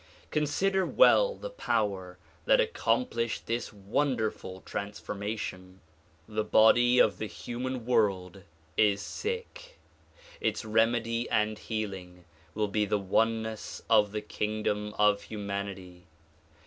Consider well the power that accomplished this wonderful transformation. The body of the human world is sick. Its remedy and healing will be the oneness of the kingdom of humanity.